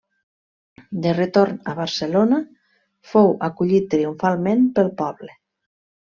De retorn a Barcelona, fou acollit triomfalment pel poble.